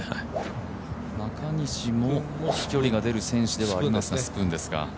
中西も飛距離が出る選手ではありますが、スプーンですか。